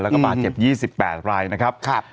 แล้วก็บาดเจ็บ๒๘รายนะครับ